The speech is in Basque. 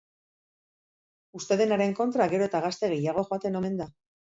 Uste denaren kontra, gero eta gazte gehiago joaten omen da.